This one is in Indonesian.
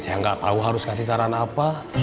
saya gak tau harus kasih saran apa